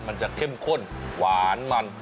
มันจะเข้มข้นหวานมัน